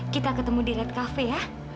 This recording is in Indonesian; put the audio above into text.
kita ketemu di red cafe ya